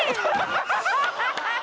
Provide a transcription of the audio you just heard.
ハハハハハ！